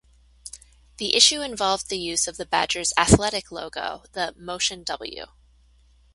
The issue involved the use of the Badger's athletic logo, the "motion W".